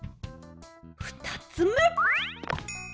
ふたつめ。